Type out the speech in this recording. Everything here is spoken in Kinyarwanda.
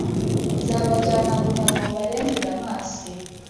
Nzabajyana bunyago mbarenze Damasi!